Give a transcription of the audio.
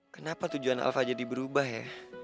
kenapa tujuan alfa jadi berubah ya